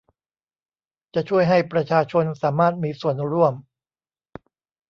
จะช่วยให้ประชาชนสามารถมีส่วนร่วม